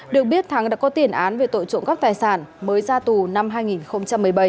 được biết thắng đã có tiền án về tội trộm cắp tài sản mới ra tù năm hai nghìn một mươi bảy